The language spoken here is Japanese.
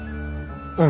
うん。